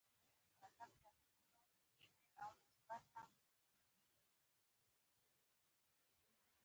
او دا سفر به د انسان تر وروستۍ ورځې دوام وکړي.